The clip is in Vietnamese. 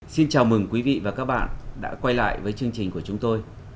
xin chào mừng quý vị và các bạn đã quay lại với chương trình của chúng tôi